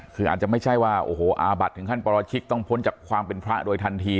คืออาจจะไม่ใช่ว่าโอ้โหอาบัติถึงขั้นปรชิกต้องพ้นจากความเป็นพระโดยทันที